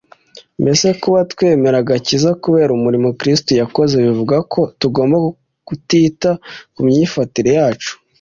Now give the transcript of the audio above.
Mbese kuba twemera agakiza kubera umurimo Kristo yakoze bivuga ko tugomba kutita ku myifatire yacu?